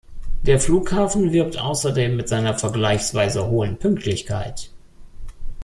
Der Flughafen wirbt außerdem mit seiner vergleichsweise hohen Pünktlichkeit.